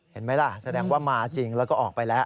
เห็นไหมล่ะแสดงว่ามาจริงแล้วก็ออกไปแล้ว